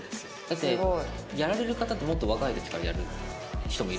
だってやられる方ってもっと若い時からやる人も？